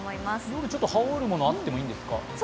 夜、羽織るものがあってもいいんですか？